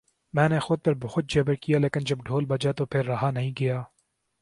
میں نے خود پر بہت جبر کیا لیکن جب ڈھول بجا تو پھر رہا نہیں گیا